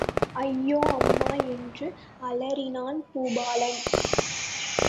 ஐயோ, அம்மா! என்று அலறினான் பூபாலன்.